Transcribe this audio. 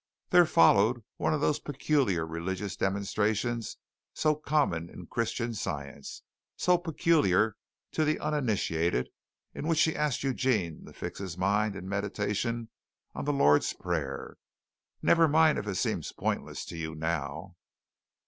There followed one of those peculiar religious demonstrations so common in Christian Science so peculiar to the uninitiated in which she asked Eugene to fix his mind in meditation on the Lord's prayer. "Never mind if it seems pointless to you now.